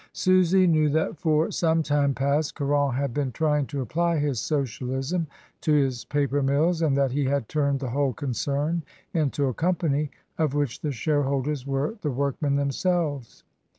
Susy knew that for some time past Caron had been trying to apply his socialism to his paper mills, and that he had turned the whole concern into a company, of which the shareholders were the workmen themselves.